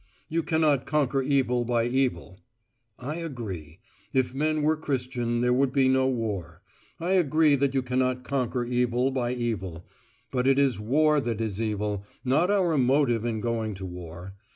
You cannot conquer evil by evil. I agree, if men were Christian there would be no war. I agree that you cannot conquer evil by evil; but it is war that is evil, not our motive in going to war.